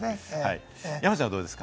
山ちゃん、どうですか？